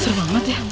seru banget ya